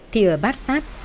thì ở bát sát